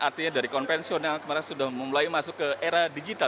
artinya dari konvensional kemarin sudah mulai masuk ke era digital